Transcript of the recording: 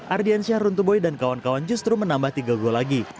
ardiansyahruntuboy dan kawan kawan justru menambah tiga gol lagi